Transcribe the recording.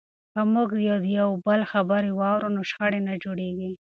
که موږ د یو بل خبرې واورو نو شخړې نه جوړیږي.